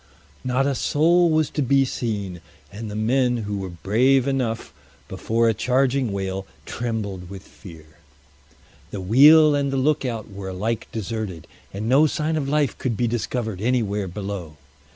Not a soul was to be seen, and the men, who were brave enough before a charging whale, trembled with fear. The wheel and the lookout were alike deserted, and no sign of life could be discovered anywhere below.